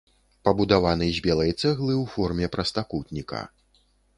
Пабудаваны з белай цэглы ў форме прастакутніка.